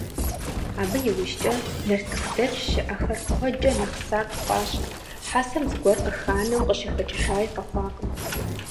Абы иужькӀэ нартыхудэч щыӀэхэр куэдкӀэ нэхъ сакъ хъуащ, хьэсэм зыгуэр къыханэу къыщыхэкӀыжаи къэхъуакъым.